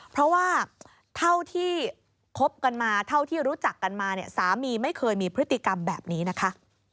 เพราะว่าเท่าที่คบกันมาเท่าที่รู้จักกันมาเนี่ยสามีไม่เคยมีพฤติกรรมแบบนี้นะคะ